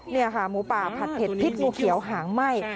นี่ค่ะหมูป่าผัดเผ็ดพิษงูเขียวหางไหม้